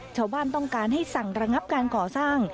ชาวบ้านต้องการให้สั่งระงับการก่อสร้าง